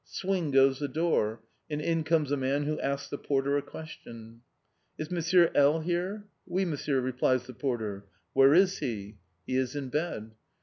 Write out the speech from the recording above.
Swing goes the door and in comes a man who asks the porter a question. "Is Monsieur L. here?" "Oui, Monsieur," replies the porter. "Where is he?" "He is in bed."